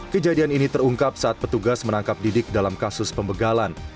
kejadian ini terungkap saat petugas menangkap didik dalam kasus pembegalan